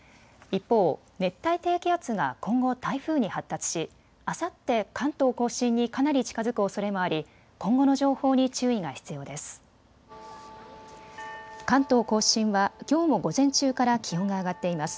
一方、熱帯低気圧が今後台風に発達しあさって関東甲信にかなり近づくおそれもあり今後の情報に注意が必要です。